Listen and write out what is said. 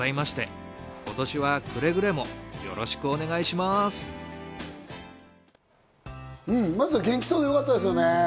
まずは元気そうでよかったですね。